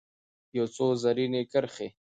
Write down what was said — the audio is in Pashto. یو څو رزیني کرښې